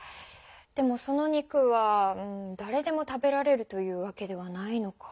でもその肉はだれでも食べられるというわけではないのか。